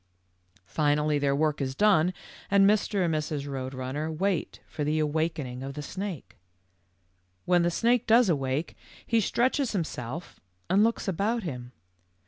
"Finally their work is done, and Mr. and Mrs. Eoad Runner wait for the awakening of the snake. "When the snake does awake, he stretches himself and looks about him.